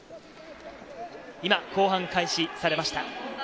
今、後半開始されました。